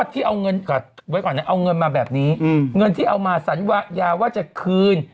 แต่ก็พอดีมันต้องเข้ารายการก่อน